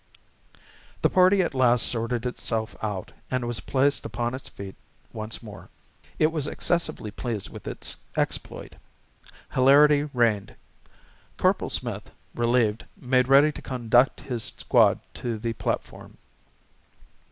The party at last sorted itself out and was placed upon its feet once more. It was excessively pleased with its exploit. Hilarity reigned. Corporal Smith, relieved, made ready to conduct his squad to the platform.